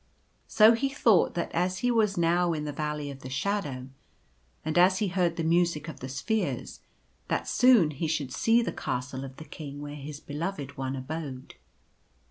So he thought that as he was now in the Valley of the Shadow, and as he heard the Music of the Spheres, that soon he should see the Castle of the King where his Beloved One abode.